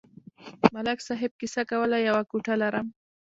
ملک صاحب کیسه کوله: یوه کوټه لرم.